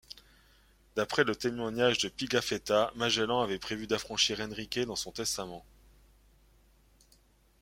D'après le témoignage de Pigafetta, Magellan avait prévu d'affranchir Henrique dans son testament.